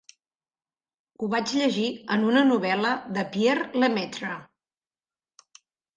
Ho vaig llegir en una novel·la de Pierre Lemaitre.